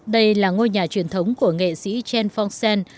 đây là ngôi nhà truyền thống của nghệ sĩ chen fongshen